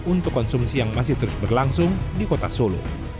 untuk konsumsi yang masih terus berlangsung di kota solo